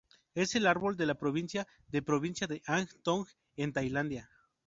Es el árbol de la provincia de provincia de Ang Thong, en Tailandia.